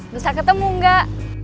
bisa ketemu gak